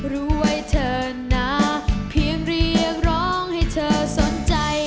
รวยเถินนะเพียงเรียกร้องให้เธอสนใจ